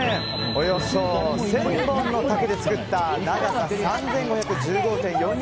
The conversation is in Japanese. およそ１０００本の竹で作った長さ３５１５．４２